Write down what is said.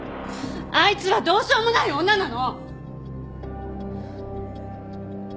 あいつはどうしようもない女なの。